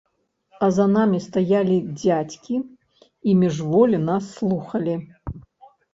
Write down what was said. А за намі стаялі дзядзькі і міжволі нас слухалі.